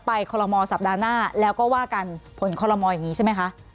คอลโมสัปดาห์หน้าแล้วก็ว่ากันผลคอลโลมอลอย่างนี้ใช่ไหมคะ